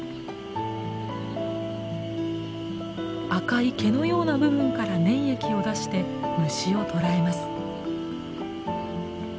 赤い毛のような部分から粘液を出して虫を捕らえます。